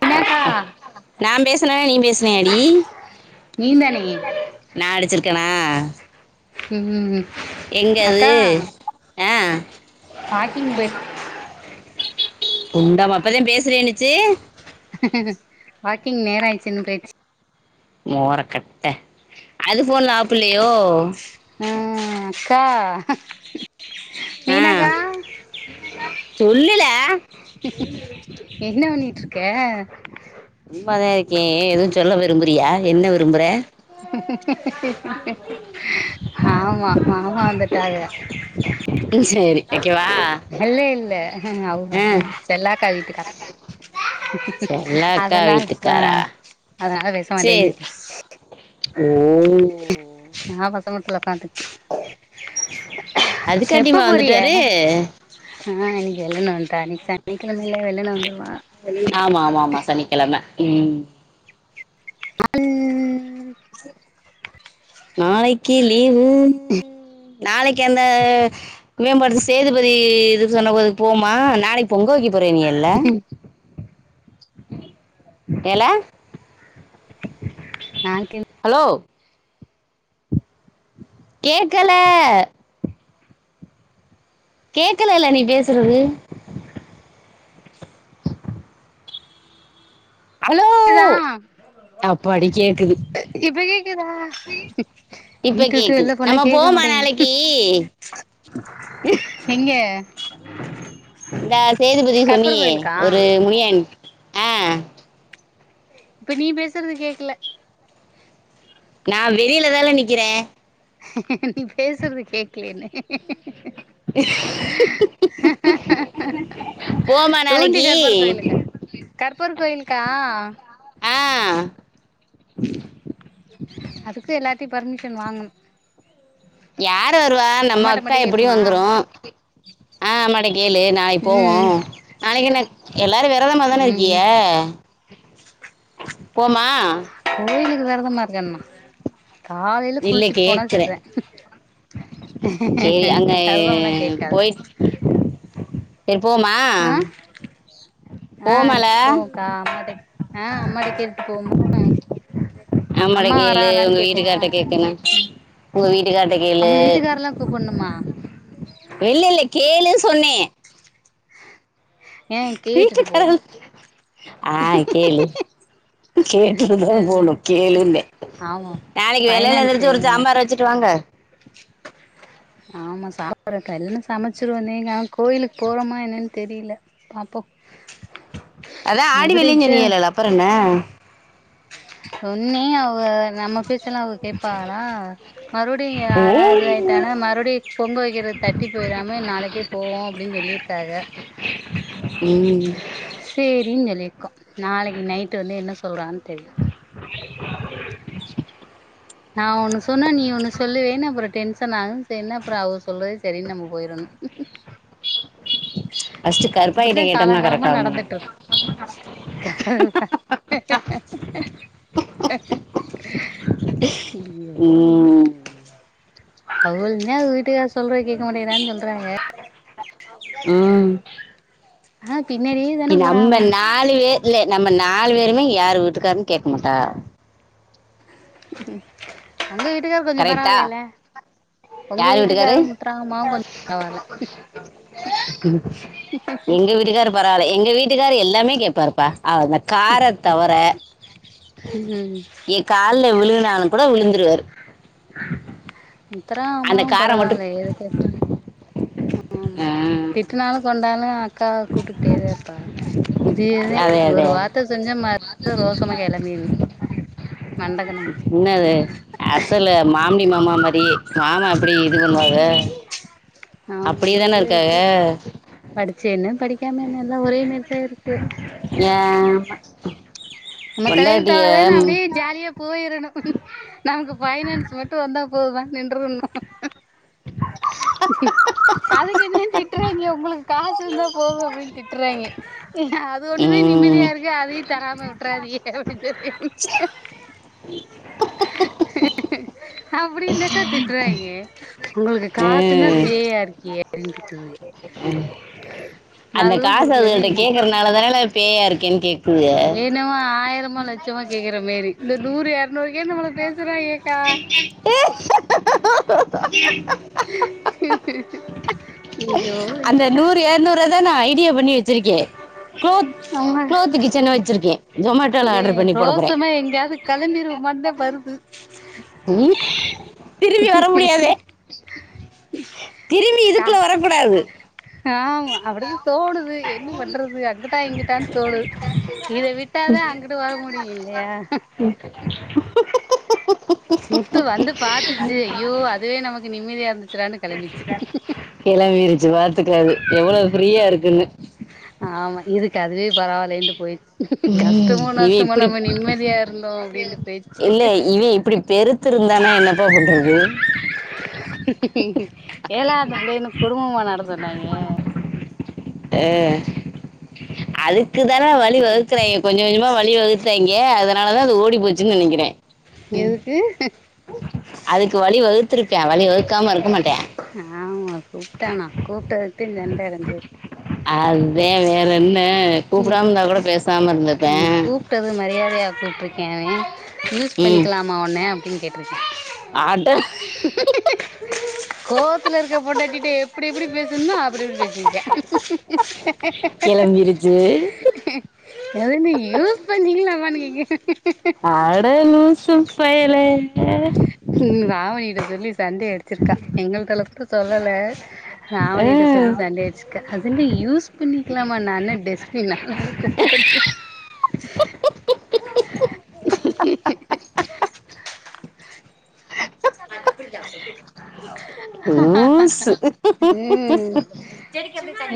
மீனாக்கா நா பேசல நீ பேசுனியா டி நீந்தானே நான் அடிச்சிருக்கேனா ம் ம் ம் எங்கது ஆ வாக்கிங் போய் குண்டம்மா இப்பதா பேசுறேன்னுச்சு வாக்கிங் நேர ஆயிச்சுன்னு பேய்ச்சு மொகரக்கட்ட அது ஃபோன்ல ஆப்புல்லயோ ஆ, அக்கா ஆ மீனாக்கா சொல்லுல என்ன பண்ணிட்ருக்க சும்மா தா இருக்கே ஏ எதும் சொல்ல விரும்புறியா என்ன விரும்புற ஆமா மாமா வந்துட்டாக ம் சேரி வெக்கவா இல்ல இல்ல அவுக செல்லாக்கா வீட்டுக்கார் செல்லாக்கா அதனால் ஆ வீட்டுக்காரா அதனால பேச மாட்டேங்கி ஏ ஆமா தோட்டத்துல உக்காந்துருக் எப்ப அதுக்காட்டிமா போரிய வந்துட்டாரு ஆ இன்னக்கு வெல்லன வன்டாக இன்னக்கி சனிக்கெழமேல வெல்லன வந்துருவா ஆமா ஆமா ஆமா சனிக்கெழம ம் அ ம் நாளைக்கு லீவு நாளக்கு என்ன வேம்படு சேதுபதி இதுக்கு சொன்ன போதுக்கு போமா நாளைக்கு பொங்க வக்கி போறன்னீயல்ல ஏல நா கிளு ஹலோ கேக்கல கேக்கலல நீ பேசுறது ஹலோ கேக்குதா அப்பாடி கேக்குது இப்ப கேக்குதா இப்ப வீட்டவுட்டு கேக்குது வெள்ள போனா நம்ம கேக்க போவோமா மாட்டேங்குது நாளைக்கு எங்கெ இந்தா சேதுபதின்னு சொன்னியே ஒரு முனியன் ஆ இப்ப நீ பேசுறது கேக்கல நா வெளிலதால நிக்கிறே நீ பேசுறது கேக்கலயேல இக்க்க்க் ஆன் முகேக்கும் போமா தூண்டி நாளைக்கு கருப்பர் கோயிலுக்கு கருப்பர் கோயிலுக்கா ஆ அதுக்கு எல்லார்ட்டையு பர்மிஷன் வாங்கணு யாரு வருவா நம்ம அம்மாட்ட அக்கா மட்டு எப்டியு கேப்பமா வந்துரு ஆன் அம்மாட்ட கேளு நா ளைக்கு போவோ ம் நாளைக்கு என்ன எல்லாரு வெரதமாதானே இருக்கீய ம் போவ்மா கோயிலுக்கு வெரதமா இருக்கேன்னா காலையில இல்லை குளிச்சுட்டு போனா கேட்குறேன் செர்தே சரி அங்கே வெரதம்னா கேக்காது செரி போவ்மா ஆ ஆ போவோக்கா அம்மாட்ட ஆ அம்மாட்ட கேட்டுட்டு போவோமா அம்மாட்ட அம்மா கேளு வரலான்னு உங்கள் கேப்போ வீட்டுக்கார்ட்ட கேட்கணும் ம் உங்கள் வீட்டுக்கார்ட்ட கேளு நம்ம வீட்டுக்கார்ல்லா கூப்புட்ணுமா இல்லல்ல கேளுன்னு சொன்னே ஏ கேட்டுட்டு போ வீட்டுக்காரு ஆ கேளு கேட்டுட்டுதா அ போணு கேளுன்னே ஆமா நாளைக்கு வெள்ளன்ன ஃபைனான்ஸ் எந்துரிச்சு ஒரு வேணும்ல சாம்பார் வச்சு ட்டு வாங்க ஆமா சாப்புட்ற டைல சமச்சிருவ நீங்க அங் கோயிலுக்கு போவோமா என்னனு‌ தெரில பாப்போ அதா ஆடி வெள்ளின்னு மதுரைக்கு சொன்னீகளே அப்பற என்ன சொன்னே அவுக நம்ம பேச்சல்லா அவுக கேப்பாகளா மறுபுடியு யாரா இது ஆயிட்டானா ஓ மறுபுடியு பொங்க வக்கிறது தட்டி போயிராம நாளைக்கே போவோ அப்டின்னு சொல்லிருக்காக ம் சேரின்னு சொல்லிருக்கோ நாளைக்கு நைட்டு வந்து என்ன சொல்றாங்கன்னு தெரில [unintelligible] நா ஒன்னு சொன்னா நீ ஒன்னு சொல்லுவேனு அப்புற டென்ஷன் ஆகு சேரின்னு அப்புற அவர் சொல்றதே சேரின்னு நம்ம போயிரணு ஃபர்ஸ்ட் கருப்பாயிட்ட அப்டித்தா கேட்டோம்னா காலங்காலமா கரெக்டா இருந்தோம் நடந்துட்ருக் கால ஐயோ ஐயோ ம் அவுகளுன்தா அவுக வீட்டுக்கார் சொல்றத கேக்க மாட்டேங்கிறார்னு சொல்றாக ம் ஆ பின்னாடி ஏய் நம்ம நாலு பேருமே இல்லே நம்ம நாலு பேருமே யாரு வீட்டுக்காருன்னு கேக்க மாட்டாக உங்க வீட்டுக்காரர் கொஞ்ச பரவாயில்லல்ல யாரு வீட்டுக்காரு பரவால்ல எங்க வீட்டுக்காரர் பரவாயில்ல எங்க வீட்டுக்காரர் எல்லாமே கேப்பாருப்பா அவர் இந்த கார தவர ம் கால்ல விழுகுனாலு கூட விழுந்துருவாரு மித்ரா அந்த அம்மாவு காரை மட்டும் பரவாயில்ல எது கேட்ட ம் ஆ, திட்டனாலு கொண்டாலு அக்காவ கூட்டுட்டேதா இருப்பாக இதேதே அதே அதே ஒரு வார்த்த செஞ்சா மறு [inaudible] ரோசமா கெளம்பிரு மண்டகணம் என்னது அசலு மாமிடி மாமா மாரியே மாமா எப்டி இது ஆமா பண்ணுவாக ஆமா அப்டியேதான அப்டியேதா இருக்காக இருக்கு படிச்சு என்ன படிக்காம என்ன எல்லா ஒரே நேரத்த இருக்கு ஏ மா நம்ம தலை எழுத்து அவ்ள தானு அப்டியே ஜாலியா போயிரணு நமக்கு பைனான்ஸ் மட்டு வந்தா போதுமான் நின்றனு அதுக்கு என்னன் திட்டுறாங்க ஒங்களுக்கு காசு இருந்தா போது அப்டின் திட்டுறாங்க அது ஒண்ணுதா நிம்மதியா ம், இருக்கு அதையு தராம விட்டுறாதீக அப்டின் சொன்னே அப்டின் தக்க திட்றாங்க ஒங்களுக்கு காசுனா ம். பேயா இருக்கிக ட்டுது அந்த காச அதுகள்ட்ட கேக்குறனாலதானல பேயா இருக்கேன் கேக்குதுக இன்னவு ஆயிரமோ லட்சமோ கேக்குற மாரி இந்த நூறு இரநூறுக்கே நம்மள பேசுறாங்க கா ய்யோ அய்யோ ப்ப இரநூறுவாதா நா ஐடியா பண்ணி வச்சிருக்கே கோத் ஆமா க்ளோத்து கிச்சன வச்சிருக்கே ஜோமேட்டோல ஆர்டர் பண்ணி போட போறே எங்கயாது கெளம்பிறுவோமான் தா வருது [unintelligible] திரும்பி வர முடியாதே திரும்பி கா இதுக்குள்ள வரக்கூடாது ஆமா அப்டிதா தோணுது என்ன பண்றது ங்குடா இங்குடான் தோணுது இத விட்டா தா அங்குட்டு வர முடியு இல்லையா [unintelligible] முத்து வந்து பாத்துச்சு ஐயோ அதுவே நமக்கு நிம்மதியா இருந்துச் கிளம்பிருச்சு பாத்துக்க அது எவ்வளவு ஃப்ரீயா இருக்குன்னு ஆமா இதுக்கு அதுவே பரவாயில்லேன்டு போயிருச்சு ம் இவே இப்டி இருந்தோ அப்டின்ட்டு போயிடுச்சு இல்ல இவே இப்டி பெருத் த்துருந்தானா என்னப்பா பண்றது ஏழாவது பிள்ளைன்னு குடும்பமா நடந்துனாங்க அ அதுக்குதானே வழி வகுக்குறாங்க கொஞ்ச கொஞ்சமா வழி வகுத்துதாங்க ஏ அதுனால தா அது ஓடி போச்சுன் நெனக்கிறே எதுக்கு அதுக்கு வழி வகுத்திருப்பே வழி வகுக்காம இருக்க மாட்டா ஆமா கூப்டானா கூப்பிட்டதுக்கு தா சண்ட ரெண்டு பேருக் அதா வேற என்ன கூப்டாம இருந்தா கூட பேசாம இருந்துருப்பா ட்டது மரியாதையா கூப்டுருக்கேனே யூஸ் பண்ணிக்கலாமா ஒன்ன அப்டின் கேட்ருக்கே அட கோ த்துல இருக்க பொண்டாட்டிட்ட எப்டி எப்டி பேசணுமோ அப்டி அப்டி பேசிருக்கா பிரிஜ்ஜு எவன்டி யூஸ் பண்ணீக்களாமானு கேக் அட லூசுப் பயலே எ ம் ராவைட சொல்லி சண்டை அடுச்சுருக்கா எங்கள்ட லா க்கு சொல்லல ஆ ராவதிட சொல்லி சண்டை ச்சுக்கா அது என்ன யூஸ் பண்ணிக்கலாமா நா என்ன டஸ்பின்னா குப்பத்தொட்டியா [unintelligible] லூசு ம்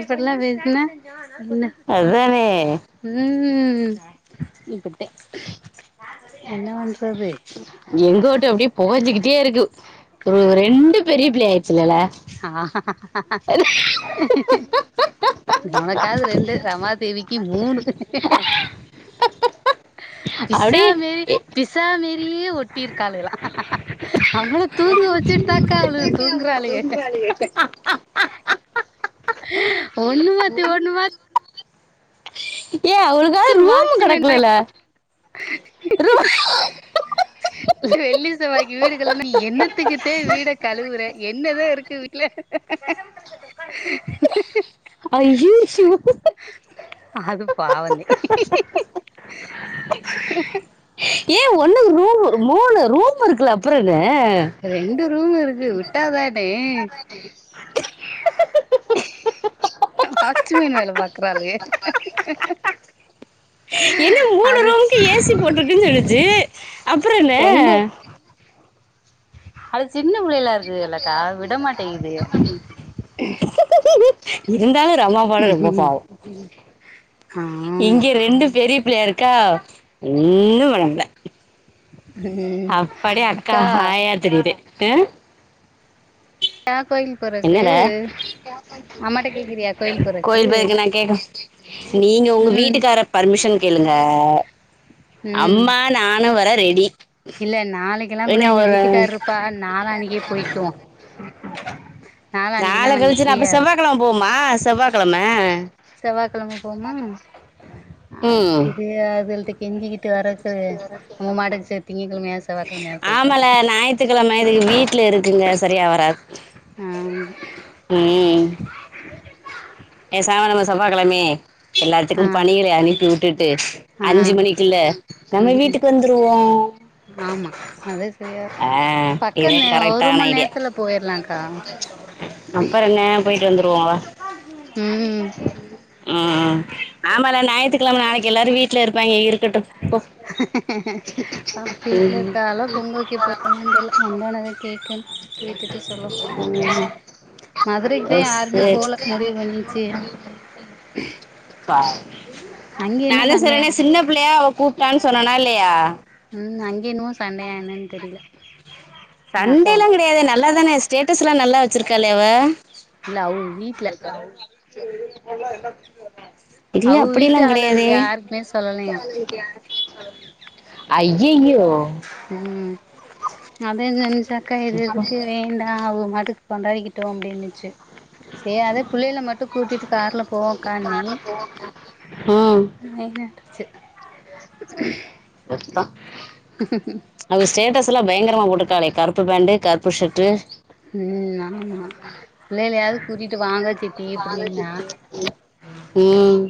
இப்பட்லா பேசுனா என்ன அதானே ம், இப்பட்த்த என்ன பண்றது எங்கூட்டோ அப்டியே பொகஞ்சுக்கிட்டே இருக்கு. தோ, ரெண்டு பெரிய பிள்ளை ஆய்ட்ச்சுலல அது [unintelligible] உனக்காது ரெண்டு, ரமாதேவிக்கி மூணு பிசா அப்படியே மேரி, பிசா மேரியே ஒட்டியிருக்காளுகலா அவள தூங்க வெச்சுட்தாக்கா, அவளுக தூங்குறாளுக. ஆஹ்ஹா. ஒண்ணு மாத்தி ஒண்ணு மாத் ஏ அவுளு க்கு வாட்ச்சுமேனு [inaudible] ரூம் [unintelligible] வெள்ளி செவ்வாய்க்கி வீடு கழுவுனா நீ என்னத்துக்குதே வீட கழுவுற என்னதா இருக்கு வீட்ல? அய்யிய்யோ அது பாவந்தே [unintelligible] [unintelligible] ஏ ஒண்ணுக்கு ரூமு மூணு ரூம் இருக்குல. அப்பறென்னா? ரெண்டு ரூம் இருக்கு விட்டாதானே [unintelligible] [unintelligible] வாட்ச்சுமேன் வேல பாக்குறாளுக என்ன மூணு அது ரூமுக்கு ஏசி போட்டுருக்குன் சொல்லுச்சு. அப்பறென்ன ரெண்டு அது சின்ன பிள்ளைலா இருக்கு இல்லக்கா விடமாட்டீங்குதுக இருந்தாலு ரமா பாடு ரொம்ப பாவோ ஆமா இங்க ரெண்டு பெரிய பிள்ளையா இருக்கா ஒண்ணு வெளங்ல. ம் அப்படியே அக்கா ஹாயா திரியிது அ ங்க த கோய்ல் என்னல கேக்குறியா கோயில் போறக்கு கோய்ல் போயிர்க்கனா கேக்கு நீங்க உங்க ம் வீட்டுக்காரர் பர்மிஷன் கேளுங்க ம் அம்மா நானு வர ரெடி இல்ல நாளைக்கில்லாங் கூட என்ன எங்க ஒரு வீட்டுக்கார் இருப்பாக நாலா அன்னிக்கி போய்க்குவோ நாள நாளான்னைக்குனா நாங்க கழிச்சுனா அப்ப ஃப்ரீயா இருப்போ செவ்வாகெழம போவமா செவ்வாகெழம செவ்வாகெழம போவ்மா ம் இது அதுவல்ட்ட கெஞ்சிக்கிட்டு வரதுக்கு நம்ம மறச்சி திங்ககெழமையாத் செவ்வாக்கெழமையாவ்த் போய்க்லா த்துக்கெழம இதுக வீட்ல இருக்குங்க சரியா வராத் ஆ ம் ம் பேசாம நம்ம செவ்வாக்கெழமியே ஆ எல்லாத்துக்கும் பணிகளை அனுப்பி வுட்டுட்டு ஆ ஆ அஞ்சி மணிக்குல்ல நம்ம ம் வீட்டுக்கு வந்துருவோ ஆமா அதா செரியா ஆ இதே பக்கந்த ஒரு கரெக்டான மண நேர்த்துல போயிர்லான்கா அப்பறென்ன போய்ட்டு வந்துருவோ வா ம் ம் ம் ஆமால ஞாயித்துக்கிழம நாளைக்கி எல்லாரு வீட்ல இருப்பாங்ங இருக்கட்டு அவஹ வீட்ல இருக்காஹலோ பொங்க வக்க போராங்களோ தெர்ல வந்த ஒன்னதா கேக்கன்னு கேட்டுட்டு சொல்லனு ம் மதுரைக்குதே யாருமே போல முடிவு பண்ணிச்சி பா நா தா சண்டையா சொன்னனே சின்ன புள்ளையா அவ கூப்ட்டான் சொன்னனா இல்லையா ம் அங்கே என்னவோ சண்டையா என்னன்னு தெரியில சண்டேல்லாங் கெடையாதே நல்லா தானே ஸ்டேட்டஸ்ல்லா நல்லா வச்சிருக்காலே அவ இல்ல அவுஹ வீட்ல [unintelligible] இல்ல அவுக வீட்டு அப்டில்லாங் கெடயாதே ஆளுகளுக்கு யாருக்குமே சொல்லலையா அய்யயோ ம் அதேன் சொன்னிச்சக்கா இது எதுக்கு வேண்டா அவுஹ மாட்டுக் கொண்டாடிக்கிட்டூ அப்டின்னுச்சு சே அதே புள்ளைல மட்டு கூட்டிட்டு கார்ல போவோக்கானே ம் வேணான்ற்றிச்சு சுத்தோ அவுஹ ஸ்டேட்டஸ்ல்லா பயங்கரமா போட்ருக்காஹளே கருப்பு பேண்டு கருப்பு ஷர்ட்டு ம் ஆமா புள்ளைலையாவ்து கூட்டிட்டு வாங்க சித்தி அப்டின்னா ம்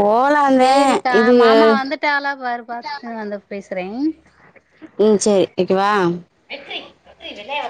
போலாந்தே சேரிக்கா இது மாமா வந்துட்டாகளா பாரு பாத்துட்டு வந்து பேசுறேன் ம் செரி வெக்கவா வெற்றி வெற்றி வெளயா